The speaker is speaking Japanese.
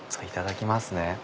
いただきますね。